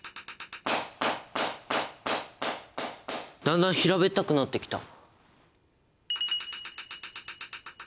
だんだん平べったくなってきた！